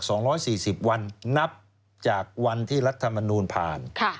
ต้องออก๒๔๐วันนับจากวันที่รัฐมนูลผ่าน